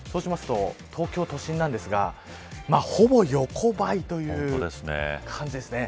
東京都心なんですがほぼ横ばいという感じですね。